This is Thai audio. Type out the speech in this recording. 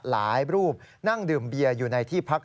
หลายรูปนั่งดื่มเบียร์อยู่ที่พรรค